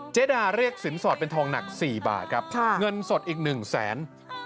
เจ๊ดาเรียกสินสอดเป็นทองหนัก๔บาทครับเงินสดอีก๑แสน